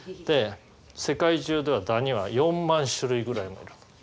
で世界中ではダニは４万種類ぐらいもいる。